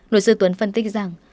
luật sư tuấn phân tích rằng